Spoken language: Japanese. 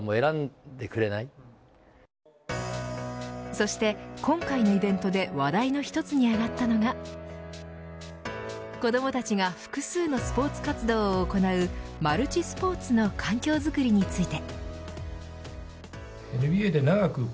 そして今回のイベントで話題の一つに挙がったのが子どもたちが複数のスポーツ活動を行うマルチスポーツの環境づくりについて。